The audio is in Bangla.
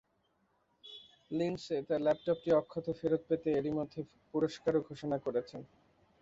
লিন্ডসে তাঁর ল্যাপটপটি অক্ষত ফেরত পেতে এরই মধ্যে পুরস্কারও ঘোষণা করেছেন।